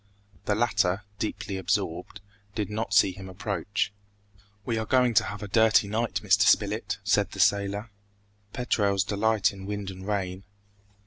The latter, deeply absorbed, did not see him approach. "We are going to have a dirty night, Mr. Spilett!" said the sailor: "Petrels delight in wind and rain."